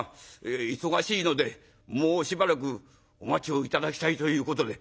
『忙しいのでもうしばらくお待ちを頂きたい』ということで。